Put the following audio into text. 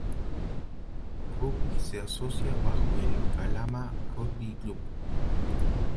El rugby se asocia bajo el Calama Rugby Club.